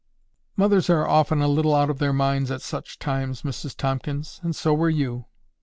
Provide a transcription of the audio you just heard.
"Mothers are often a little out of their minds at such times, Mrs Tomkins. And so were you."